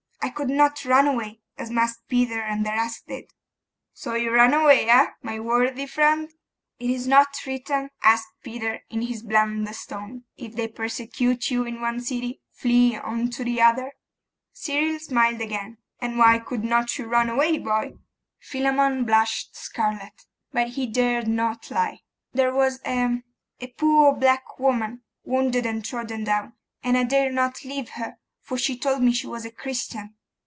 'I could not run away, as Master Peter and the rest did.' 'So you ran away, eh? my worthy friend?' 'Is it not written,' asked Peter, in his blandest tone, "If they persecute you in one city, flee unto another"?' Cyril smiled again. 'And why could not you run away, boy?' Philammon blushed scarlet, but he dared not lie. 'There was a a poor black woman, wounded and trodden down, and I dare not leave her, for she told me she was a Christian.